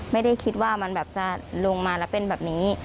ไม่ได้คิดว่ามันแบบจะลงมาแล้วเป็นแบบนี้